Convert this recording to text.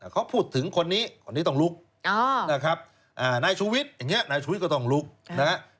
เขาพูดถึงคนนี้คนนี้ต้องลุกนะครับอ่านายชุวิตอย่างเงี้ยนายชุวิตก็ต้องลุกนะครับ